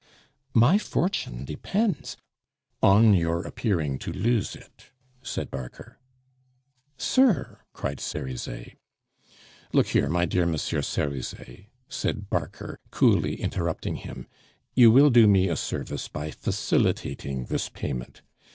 "My fortune depends " "On your appearing to lose it," said Barker. "Sir!" cried Cerizet. "Look here, my dear Monsieur Cerizet," said Barker, coolly interrupting him, "you will do me a service by facilitating this payment.